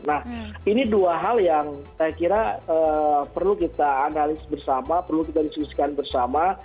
nah ini dua hal yang saya kira perlu kita analis bersama perlu kita diskusikan bersama